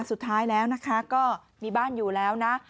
สุดท้ายแล้วนะคะก็มีบ้านอยู่แล้วนะ